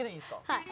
はい。